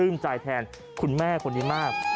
คือปลื้มใจแทนคุณแม่คนนี้มาก